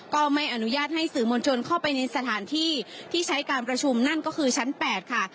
ก็ไม่อนุญาตให้สื่อมวลชนเข้าไปในสถานที่ที่ใช้การประชุมนั่นก็คือชั้น๘ค่ะ